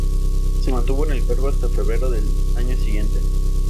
Se mantuvo en el cargo hasta febrero del año siguiente.